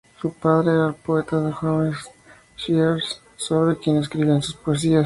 Su padre era el poeta Hovhannes Shiraz, sobre quien escribía en sus poesías.